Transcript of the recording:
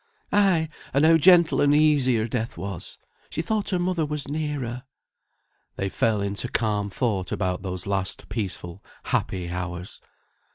"Ay! and how gentle and easy her death was! She thought her mother was near her." They fell into calm thought about those last peaceful happy hours.